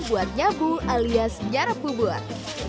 buat nyabu alias nyarap bubur